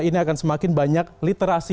ini akan semakin banyak literasi